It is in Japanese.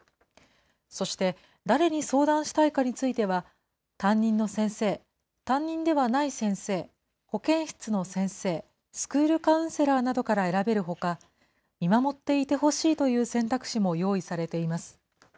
そして、誰に相談したいかについては、担任の先生、担任ではない先生、保健室の先生、スクールカウンセラーなどから選べるほか、見守っていてほしいという選択肢も用意されています。